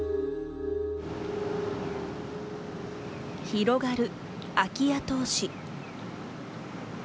広がる空き家投資。